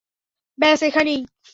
ব্যাস, এখানেই।